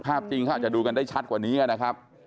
จริงเขาอาจจะดูกันได้ชัดกว่านี้นะครับ